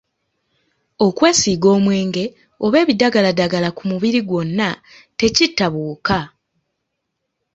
Okwesiiga omwenge oba ebidagaladagala ku mubiri gwonna tekitta buwuka.